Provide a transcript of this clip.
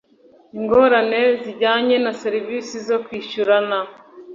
Ingorane zijyanye na serivisi zo kwishyurana